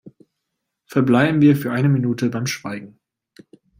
Verbleiben wir für eine Minute beim Schweigen!